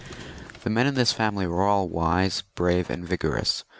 The men in this family were all wise, brave, and vigorous.